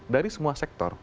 dari semua sektor